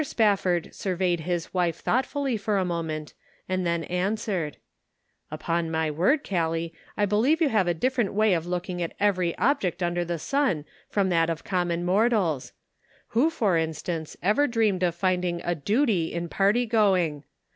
Spafford surveyed his wife thoughtfully for a moment, and then answered :" Upon my word, Gallic, I believe you have a different way of looking at every object under the sun from that of common mortals. Who, for instance, ever dreamed of finding a duty in party going?